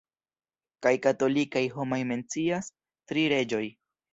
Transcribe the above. Kaj katolikaj homaj mencias "tri reĝoj".